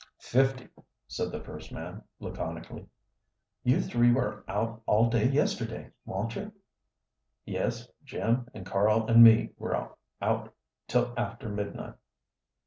"Fifty," said the first man, laconically. "You three were out all day yesterday, wa'n't you?" "Yes, Jim and Carl and me were out till after midnight."